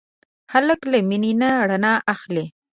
هلک له مینې نه رڼا اخلي.